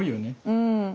うん。